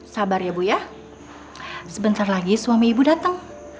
sabar ya bu ya sebentar lagi suami ibu datang